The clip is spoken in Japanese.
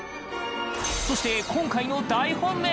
そして今回の大本命！